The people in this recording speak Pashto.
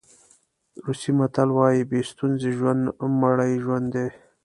روسي متل وایي بې ستونزې ژوند مړی ژوند دی.